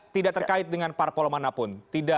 tidak terkait dengan parpol manapun